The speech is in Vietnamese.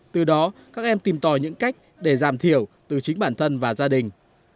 từ đó các em tìm tòi những cách để giảm thiểu từ chính bản thân và gia đình